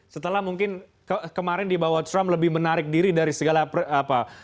setelah mungkin kemarin di bawah trump lebih menarik diri dari segala apa